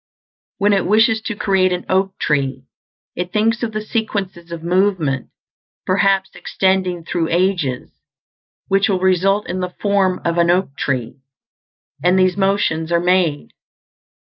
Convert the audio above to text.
When it wishes to create an oak tree, it thinks of the sequences of movement, perhaps extending through ages, which will result in the form of an oak tree; and these motions are made.